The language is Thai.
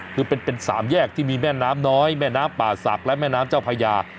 คือเป็นสามแยกที่มีแม่น้ำน้อยแม่น้ำป่าศักดิ์และแม่น้ำเจ้าพญา